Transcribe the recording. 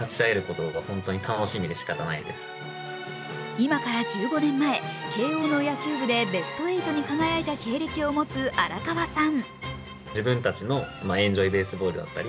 今から１５年前、慶応の野球部でベスト８に輝いた経歴を持つ荒川さん。